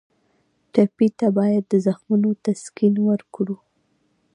ټپي ته باید د زخمونو تسکین ورکړو.